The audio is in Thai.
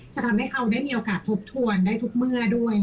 จะทำให้เขาได้มีโอกาสทบทวนได้ทุกเมื่อด้วย